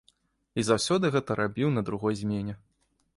І заўсёды гэта рабіў на другой змене.